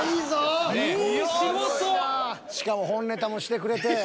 しかも本ネタもしてくれて。